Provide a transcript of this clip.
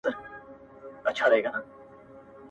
• يار له جهان سره سیالي کومه ښه کومه ..